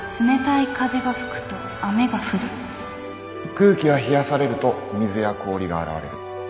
空気は冷やされると水や氷が現れる。